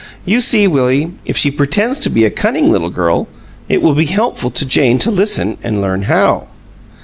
"You see, Willie, if she pretends to be a cunning little girl, it will be helpful to Jane to listen and learn how."